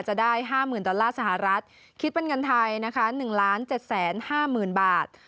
จะได้๕หมื่นดอลลาร์สหรัฐคิดเป็นเงินไทย๑๗๕๐๐๐๐บาท